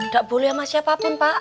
gak boleh sama siapa pun pak